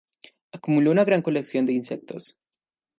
Acumuló una gran colección de insectos.